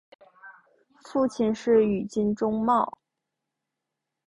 父亲是宇津忠茂。